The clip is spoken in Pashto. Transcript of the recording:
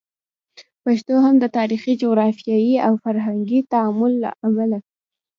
پښتو هم د تاریخي، جغرافیایي او فرهنګي تعامل له امله